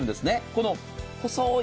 この細い